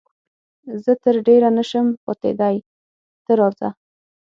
زه تر ډېره نه شم پاتېدای، ته راځه.